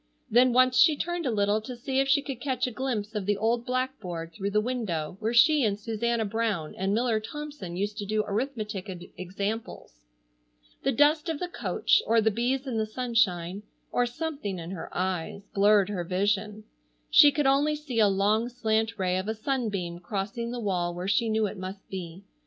Then once she turned a little to see if she could catch a glimpse of the old blackboard through the window where she and Susanna Brown and Miller Thompson used to do arithmetic examples. The dust of the coach, or the bees in the sunshine, or something in her eyes blurred her vision. She could only see a long slant ray of a sunbeam crossing the wall where she knew it must be.